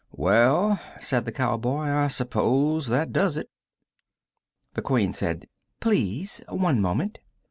"Well," said the cowboy. "I suppose that does it." The Queen said: "Please. One moment."